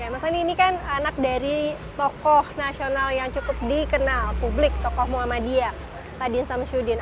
mas andi ini kan anak dari tokoh nasional yang cukup dikenal publik tokoh muhammadiyah nadin samsyudin